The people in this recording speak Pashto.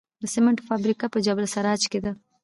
د سمنټو فابریکه په جبل السراج کې ده